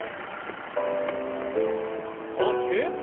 大きく。